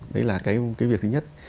đấy là cái việc thứ nhất